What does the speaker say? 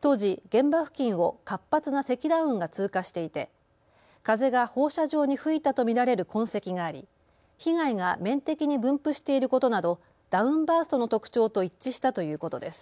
当時、現場付近を活発な積乱雲が通過していて風が放射状に吹いたと見られる痕跡があり被害が面的に分布していることなどダウンバーストの特徴と一致したということです。